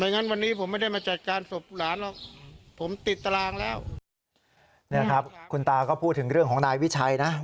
เนี่ยครับคุณตาก็พูดถึงเรื่องของนายวิชัยนะ